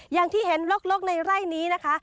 อย่างที่เห็นลกในไร่นี้นะคะ